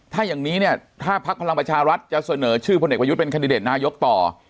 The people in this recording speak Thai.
ถ้าอย่างนี้เนี่ยถ้าพักพลังประชารัฐจะเสนอชื่อพลเอกประยุทธ์เป็นคันดิเดตนายกต่อ